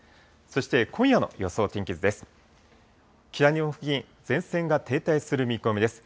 そして今夜の予想天気図です。